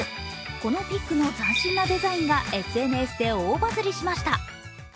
このピックの斬新なデザインがＳＮＳで大バズリしました。